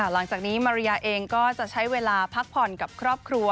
หลังจากนี้มาริยาเองก็จะใช้เวลาพักผ่อนกับครอบครัว